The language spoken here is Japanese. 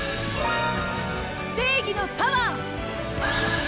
正義のパワー！